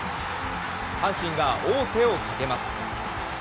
阪神が王手をかけます。